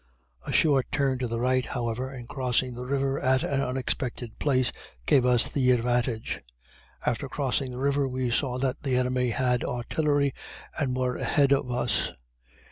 A short turn to the right, however, and crossing the river at an unexpected place, gave us the advantage. After crossing the river we saw that the enemy had artillery, and were ahead of us.